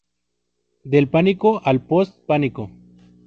Del Pánico al Post-Pánico".